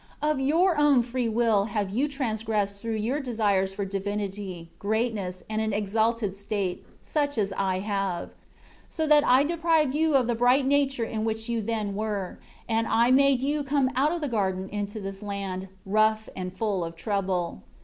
5 Of your own free will have you transgressed through your desire for divinity, greatness, and an exalted state, such as I have; so that I deprived you of the bright nature in which you then were, and I made you come out of the garden to this land, rough and full of trouble.